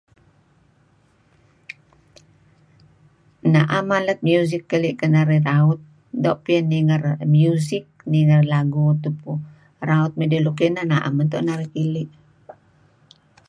Na'em alat music keli' kedinarih raut doo' piyan ninger music ninger lagu tupu. Raut midih luk ineh na'em meto' narih keli' .